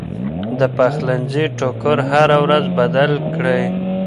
د پخلنځي ټوکر هره ورځ بدل کړئ.